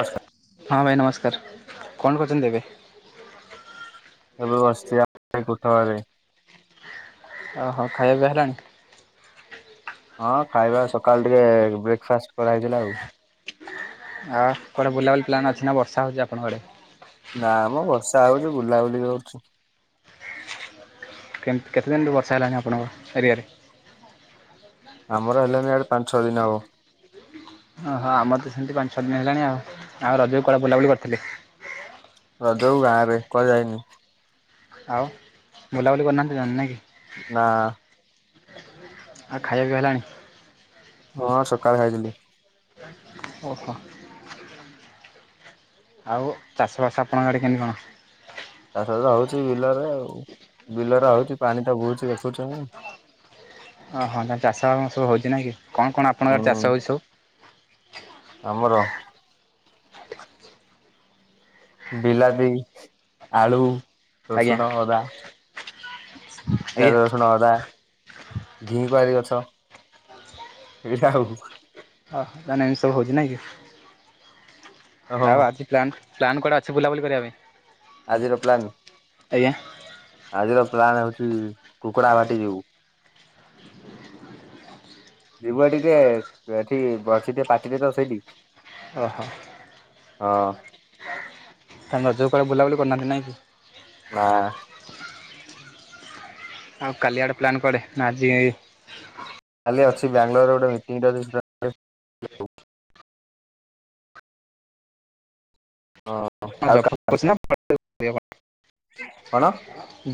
ହଁ ସା ହଁ ଭାଇ ନମସ୍କାର କଣ କରୁଚନ୍ତି ଏବେ? ଏବେ ବସିଚି ଆ ଏଇ କୋଠଘରେ। ଓହୋ ଖାଇବା ପିଇବା ହେଲାଣି? ହଁ ଖାଇବା ସକାଳୁ ଟିକେ ବ୍ରେକ୍ଫାଷ୍ଟ୍ କରାହେଇଥିଲା ଆଉ। ଆ କୁଆଡ଼େ ବୁଲାବୁଲି ପ୍ଲାନ୍ ଅଛି ନା ବର୍ଷା ହଉଚି ଆପଣଙ୍କ ଆଡ଼େ? ନାଁ ମ ବର୍ଷା ହଉଚି ବୁଲାବୁଲି କରୁଚୁ। କେମ କେତେ ଦିନଠୁ ବର୍ଷା ହେଲାଣି ଆପଣଙ୍କ ଏରିଆରେ? ଆମର ହେଲାଣିି ଏ ଆଡ଼େ ପାଞ୍ଚ ଛଅ ଦିନ ହବ। ଅହ ଆମର ତ ସେମିତି ପାଞ୍ଚ ଛଅ ଦିନ ହେଲାଣି ଆଉ। ଆଉ ରଜ କୁଆଡ଼େ ବୁଲାବୁଲି କରିଥିଲେ? ରଜକୁ ଗାଁରେ କୁଆଡ଼େ ଯାଇନି। ଆଉ ବୁଲାବୁଲି କରୁନାହାନ୍ତି ଆ ନାଇଁ କି? ନାଁ। ଆଉ ଖାଇବା ପିଇବା ହେଲାଣି? ହଁ ସକାଳେ ଖାଇଥିଲି। ଓହୋ। ଆଉ ଚାଷ ବାସ ଆପଣଙ୍କ ଆଡ଼େ କେମିତି କଣ? ଚାଷ ବାସ ହଉଚି ବିଲରେ ଆଉ ବିଲରେ ହଉଚି ପାଣି ତ ବୋହୁଚି ଦେଖୁଚୁ ଆମେ। ଅ ହଁ ତାନେ ଚାଷ ଆମ ସବୁ ହଉଚି ନାଁ କି? କଣ କଣ ଆପଣଙ୍କ ଆଡ଼େ ହୁଁ ଚାଷ ହୋଉଚି ସବୁ? ଆମର? ବିଲାତି, ଆଳୁ, ଆଜ୍ଞା ରସୁଣ, ଅଦା। ପିଆଜ, ଆଜ୍ଞା ରସୁଣ, ଅଦା ଘିକୁଆଁରି ଗଛ। ଏଇଟା ଆଉ। ଅହ ତାନେ ଏମିତି ସବୁ ହଉଚି ନାଁ କି? ଓହୋ ଆଉ ଆଜି ପ୍ଲାନ୍ ପ୍ଲାନ୍ କୁଆଡ଼େ ଅଛି ବୁଲାବୁଲି କରିବା ପାଇଁ? ଆଜିର ପ୍ଲାନ୍? ଆଜ୍ଞା। ଆଜିର ପ୍ଲାନ୍ ହଉଚି କୁକୁଡ଼ା ବାଟି ଯିବୁ। ଯିବୁ ଆଟିଟେ ଏଠି ବଛିଟେ ପାଟିିଟେ ତ ସେଇଠି। ଓହୋ ହଁ ତ ରଜରେ କୁଆଡ଼େ ବୁଲାବୁଲି କରି ନାହାନ୍ତି ନାହିଁ କି। ହଁ ଆଉ କାଲି ଆଡ଼େ ପ୍ଲାନ୍ କୁଆଡ଼େ ନା ଆଜି ଖାଲି ଅଛି ବାଙ୍ଗଲୋର ଗୋଟେ ମିଟିଙ୍ଗ ଟେ ହ ହଁ ଆଉ [unintelligible] କଣ?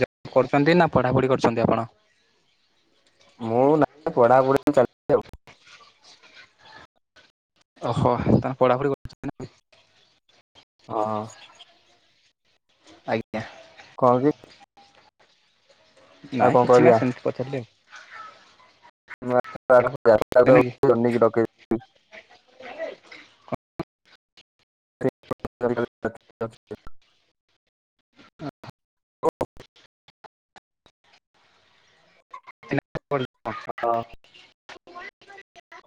ଜବ କରୁଛନ୍ତି ନା ପଢ଼ାପଢ଼ି କରୁଛନ୍ତି ଆପଣ? ମୁଁ ନା ପଢ଼ା ପଢ଼ି ଚାଳିଛି। ଓହୋ ତ ପଢ଼ାପଢ଼ି କରୁଛନ୍ତି ନା ହଁ ଆଜ୍ଞା କଣ କି ଆଉ ନାଇଁ କଣ କିଛି ନାଁ କରିବା। ସେମିତି ପଚାରିଲି ଆଉ ଟା ନାଇଁ [unintelligible] କି? ଡକେଇବି [unintelligible] ଏ ପର୍ଯ୍ୟନ୍ତ ନୁହଁ। ହଁ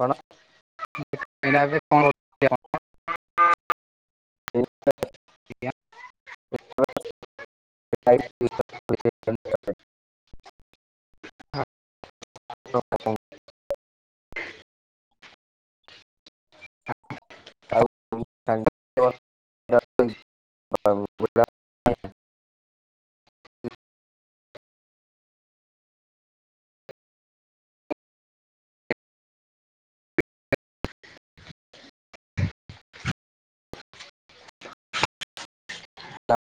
କଣ କିଣା ବି [unintelligible] [unintelligible] ଆଜ୍ଞା [unintelligible] ହଁ [unintelligible] [unintelligible] ନା